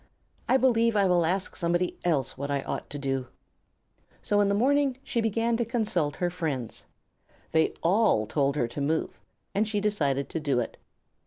I believe I will ask somebody else what I ought to do." So in the morning she began to consult her friends. They all told her to move, and she decided to do it.